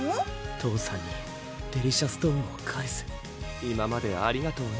父さんにデリシャストーンを返す今までありがとうね